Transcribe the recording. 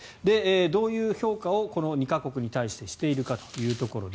どういう評価をこの２か国に対してしているかというところ。